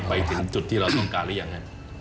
ไปถึงจุดที่เราต้องการหรือยังฮะ